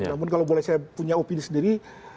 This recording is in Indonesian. namun kalau boleh saya punya opini sendiri